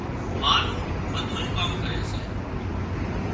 ما نُون ٻڌُونئي ڪام ڪري سي